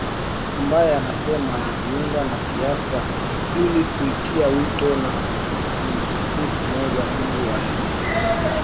ambaye anasema alijiunga na siasa ili kuitia wito wa MunguSiku moja Mungu alizungumza